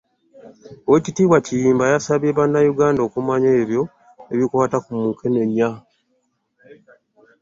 Oweekitiibwa Kiyimba yasabye Bannayuganda okumanya ebyo ebikwata ku Mukenenya